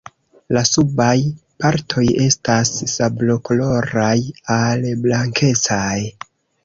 La subaj partoj estas sablokoloraj al blankecaj.